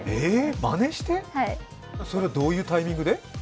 まねして、それはどういうタイミングで？